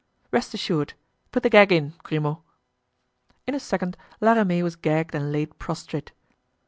"Rest assured; put the gag in, Grimaud." In a second La Ramee was gagged and laid prostrate.